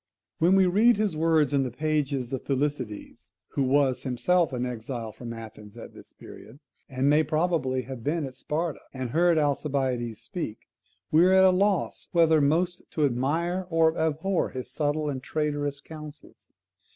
When we read his words in the pages of Thucydides (who was himself an exile from Athens at this period, and may probably have been at Sparta, and heard Alcibiades speak), we are at loss whether most to admire or abhor his subtile and traitorous counsels.